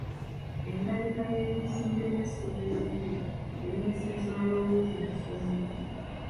Endabika y'ebizimbe by'essomero embi eremesa ensoma y'omuyizi mu ssomero.